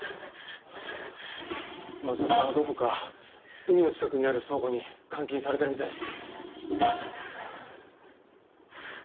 松田さんはどこか海の近くにある倉庫に監禁されてるみたいです。